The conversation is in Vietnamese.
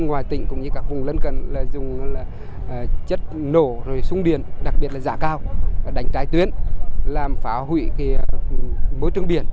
ở vùng biển cách bờ